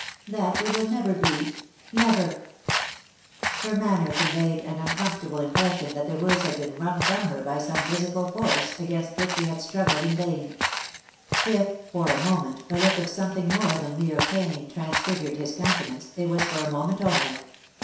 " That you will never be— never I " Her manner conveyed an uncomfortable impression that the words had been wrung from her by some physical force against which she had struggled in vain. 296 3i 9 iii^d by Google THE INTERRUPTED KISS If, for a moment, a look of something more than mere pain transfigured his countenance, it was for a moment only.